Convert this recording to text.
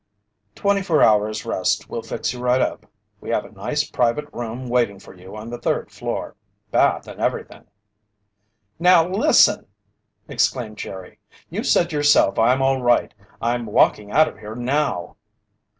"Twenty four hours rest will fix you right up. We have a nice private room waiting for you on the third floor. Bath and everything." "Now listen!" exclaimed Jerry. "You said yourself I'm all right. I'm walking out of here now!"